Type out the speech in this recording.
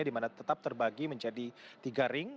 di mana tetap terbagi menjadi tiga ring